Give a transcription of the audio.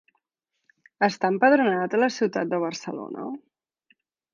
Està empadronat a la Ciutat de Barcelona?